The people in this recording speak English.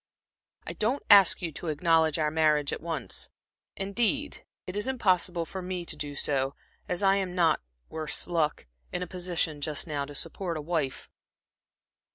I don't ask you to acknowledge our marriage at once indeed it is impossible for me to do so, as I am not worse luck in a position just now to support a wife."